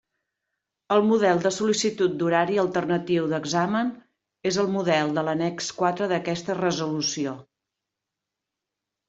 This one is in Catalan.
El model de sol·licitud d'horari alternatiu d'examen és el model de l'annex quatre d'aquesta resolució.